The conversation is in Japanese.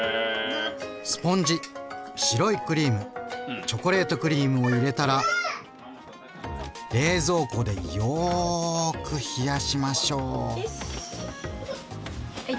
スポンジ白いクリームチョコレートクリームを入れたら冷蔵庫でよく冷やしましょう！